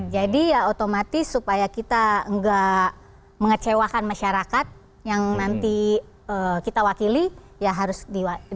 jadi ya otomatis supaya kita enggak mengecewakan masyarakat yang nanti kita wakili ya harus diwakili